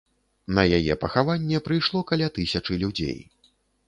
На яе пахаванне прыйшло каля тысячы людзей.